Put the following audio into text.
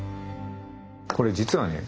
これ実はね